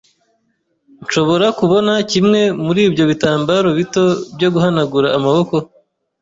Nshobora kubona kimwe muri ibyo bitambaro bito byo guhanagura amaboko?